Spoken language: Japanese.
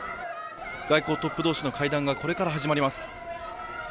外交トップ同士の会談がこれから始まります。